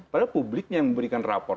padahal publiknya yang memberikan rapor